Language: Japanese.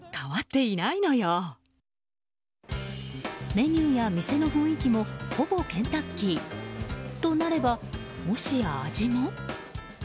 メニューや店の雰囲気もほぼケンタッキー。となれば、もしや味も。